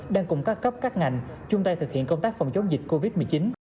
đang cùng các cấp các ngành chung tay thực hiện công tác phòng chống dịch covid một mươi chín